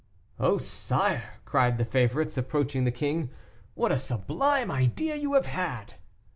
"Oh, sire!" cried the favorites, approaching the king, "what a sublime idea you have had!"